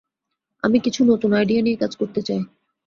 আমি কিছু নতুন আইডিয়া নিয়ে কাজ করতে চাই।